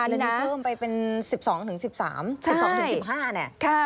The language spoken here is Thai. อันนี้เพิ่มไปเป็น๑๒๑๓คน